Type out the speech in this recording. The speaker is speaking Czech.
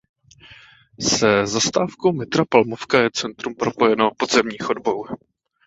Se zastávkou metra Palmovka je centrum propojeno podzemní chodbou.